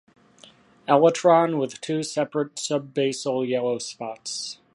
Elytron with two separate subbasal yellow spots.